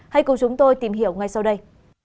hãy cùng chúng tôi tìm hiểu ngay sau đây